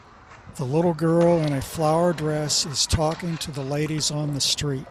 The little girl in a flower dress is talking to the ladies on the street